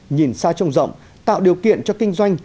nhìn xa trông rộng tạo điều kiện cho kinh doanh